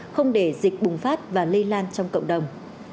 không để dịch bùng phát và lây lan trong cộng đồng